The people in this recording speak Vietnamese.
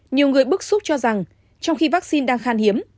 nhiều người bức xúc cho rằng trong khi vaccine đang khan hiếm